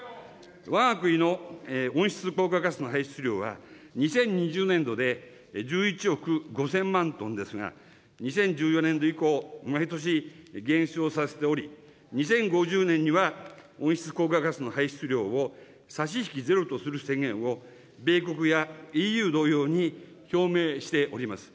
わが国の温室効果ガスの排出量は、２０２０年度で１１億５０００万トンですが、２０１４年度以降、毎年減少させており、２０５０年には、温室効果ガスの排出量を差し引きゼロとする宣言を、米国やＥＵ同様に、表明しております。